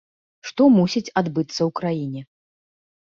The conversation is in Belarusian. Што мусіць адбыцца ў краіне.